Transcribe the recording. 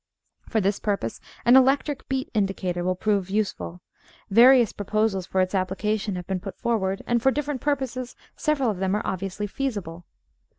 For this purpose an "electric beat indicator" will prove useful. Various proposals for its application have been put forward, and for different purposes several of them are obviously feasible.